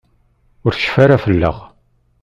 Ur tecfi ara fell-aɣ.